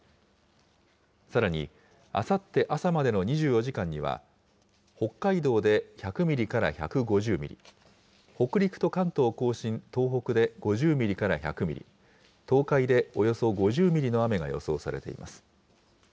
さらに、あさって朝までの２４時間には、北海道で１００ミリから１５０ミリ、北陸と関東甲信、東北で５０ミリから１００ミリ、東海でおよそ５０ミリの雨が予想されています。